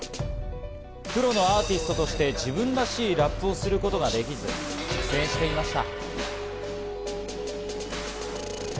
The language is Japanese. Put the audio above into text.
プロのアーティストとして自分らしいラップをすることができず苦戦していました。